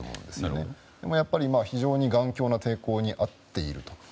でもやっぱり非常に頑強な抵抗にあっていると。